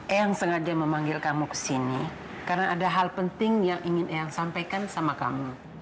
ayang sengaja memanggil kamu ke sini karena ada hal penting yang ingin ayang sampaikan sama kamu